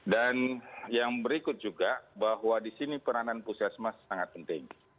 dan yang berikut juga bahwa di sini peranan pusiasmas sangat penting